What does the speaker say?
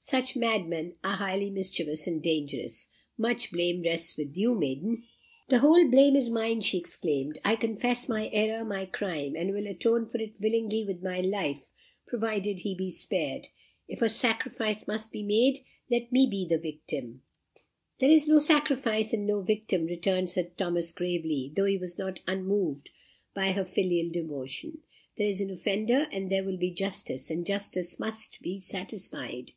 "Such madmen are highly mischievous and dangerous. Much blame rests with you, maiden." "The whole blame is mine!" she exclaimed. "I confess my error my crime and will atone for it willingly with my life, provided he be spared. If a sacrifice must be made, let me be the victim." "There is no sacrifice, and no victim," returned Sir Thomas gravely, though he was not unmoved by her filial devotion. "There is an offender, and there will be justice; and justice must be satisfied.